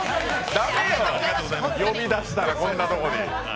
駄目よ、呼び出したらこんなとこに。